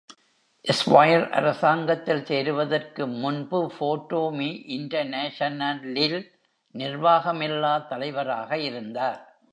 ஸ்வைர் அரசாங்கத்தில் சேருவதற்கு முன்பு ஃபோட்டோ-மீ இன்டர்நேஷனலில் நிர்வாகமில்லா தலைவராக இருந்தார்.